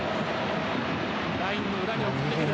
ラインの裏に送ってくる。